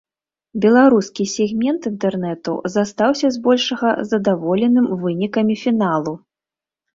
Беларускі сегмент інтэрнэту застаўся збольшага задаволеным вынікамі фіналу.